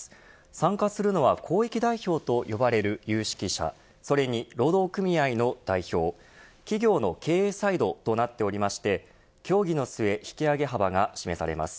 参加するのは公益代表と呼ばれる有識者それに労働組合の代表企業の経営サイドとなっていて協議の末引き上げ幅が示されます。